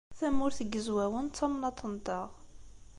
Tamurt n Yizwawen d tamnaḍt-nteɣ.